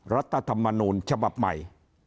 รัฐธรรมนูญฉบับใหม่